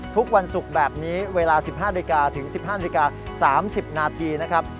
ทุกวันศุกร์แบบนี้เวลา๑๕นถึง๑๕น๓๐นนะครับ